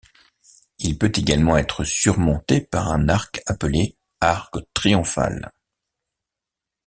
Il peut également être surmonté par un arc appelé arc triomphal.